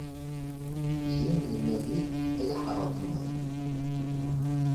Jim yenna-yi-d ay aḥreḍman.